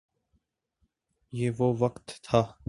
یہ وہ وقت تھا۔